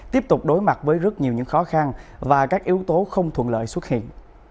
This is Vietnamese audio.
tiếp tục đối mặt với rất nhiều những khó khăn và các yếu tố không thuận lợi xuất hiện